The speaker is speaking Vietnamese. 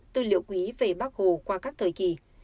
tư liệu quý về bác hồ qua các thời kỳ